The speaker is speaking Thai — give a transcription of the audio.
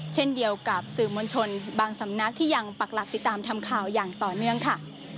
เช่นเดียวกับสื่อมวลชนบางสำนักที่ยังปักหลักติดตามทำข่าวอย่างต่อเนื่องค่ะ